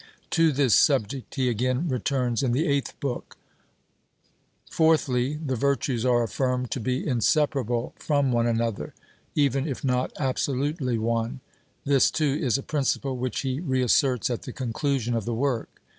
To this subject he again returns in the eighth book. Fourthly, the virtues are affirmed to be inseparable from one another, even if not absolutely one; this, too, is a principle which he reasserts at the conclusion of the work.